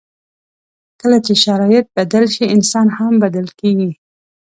کله چې شرایط بدل شي، انسان هم بدل کېږي.